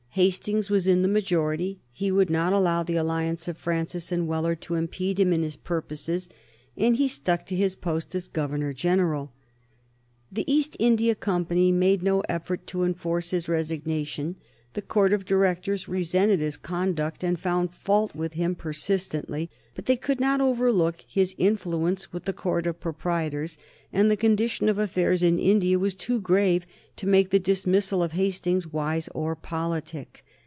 Hastings was in the majority; he would not allow the alliance of Francis and Wheler to impede him in his purposes, and he stuck to his post as Governor General. The East India Company made no effort to enforce his resignation. The Court of Directors resented his conduct, and found fault with him persistently, but they could not overlook his influence with the Court of Proprietors, and the condition of affairs in India was too grave to make the dismissal of Hastings wise or politic.